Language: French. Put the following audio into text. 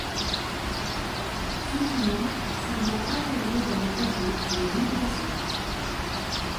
Ceux qui manquent sont donc intégrés dans le tableau mais non classés.